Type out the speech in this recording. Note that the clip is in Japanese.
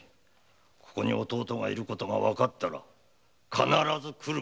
ここに弟がいることがわかったら必ず来る。